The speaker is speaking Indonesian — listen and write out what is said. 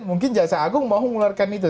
mungkin jaksa agung mau mengeluarkan itu